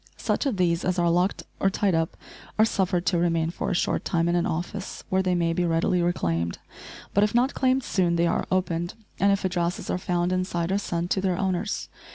Such of these as are locked or tied up are suffered to remain for a short time in an office, where they may be readily reclaimed; but if not claimed soon they are opened, and if addresses are found inside are sent to their owners.